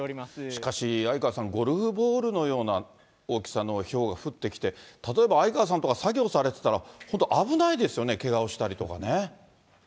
しかし、相川さん、ゴルフボールのような大きさのひょうが降ってきて、例えば相川さんとか、作業されてたら、本当、危ないですよね、けがをしたりとかね。